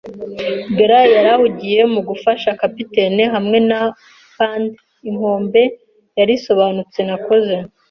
Gray yari ahugiye mu gufasha kapiteni hamwe na bande, inkombe yari isobanutse, nakoze